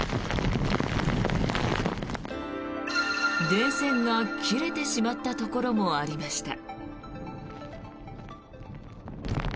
電線が切れてしまったところもありました。